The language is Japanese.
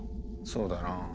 そうだな。